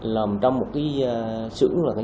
làm trong một cái